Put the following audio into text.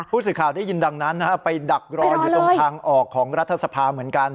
สื่อข่าวได้ยินดังนั้นไปดักรออยู่ตรงทางออกของรัฐสภาเหมือนกัน